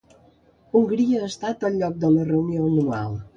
Hongria ha estat el lloc de la reunió anual.